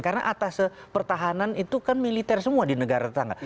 karena atas pertahanan itu kan militer semua di negara tetangga